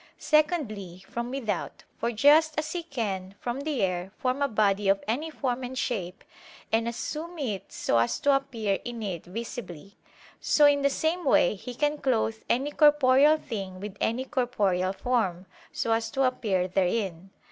Secondly, from without: for just as he can from the air form a body of any form and shape, and assume it so as to appear in it visibly: so, in the same way he can clothe any corporeal thing with any corporeal form, so as to appear therein.